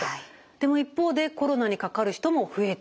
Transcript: でも一方でコロナにかかる人も増えていると。